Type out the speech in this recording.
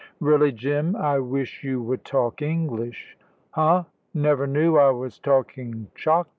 "Really, Jim, I wish you would talk English." "Huh! Never knew I was talking Choctaw."